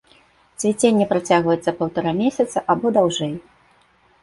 Цвіценне працягваецца паўтара месяца або даўжэй.